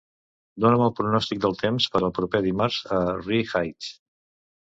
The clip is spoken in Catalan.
dona'm el pronòstic del temps per al proper dimarts a Ree Heights